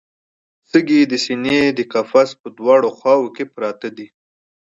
سږي د سینې د قفس په دواړو خواوو کې پراته دي